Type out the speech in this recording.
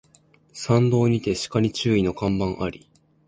山道にて鹿に注意の看板あり